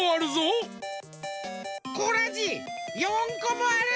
コラジ４こもある。